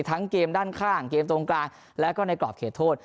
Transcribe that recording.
ทั้งเกมด้านข้างเกมตรงกลางแล้วก็ในกรอบเขตโทษ